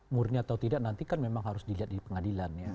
murni atau tidak nanti kan memang harus dilihat di pengadilan ya